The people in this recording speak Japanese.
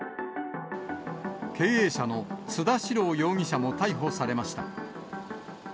経営者の津田志郎容疑者も逮捕されました。